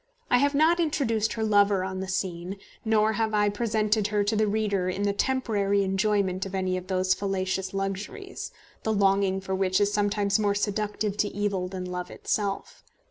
I have not introduced her lover on the scene, nor have I presented her to the reader in the temporary enjoyment of any of those fallacious luxuries, the longing for which is sometimes more seductive to evil than love itself.